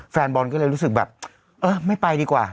แฟนบอลก็เลยรู้สึกแบบเออไม่ไปดีกว่า